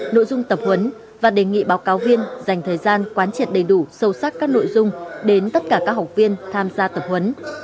nội dung tập huấn và đề nghị báo cáo viên dành thời gian quán triệt đầy đủ sâu sắc các nội dung đến tất cả các học viên tham gia tập huấn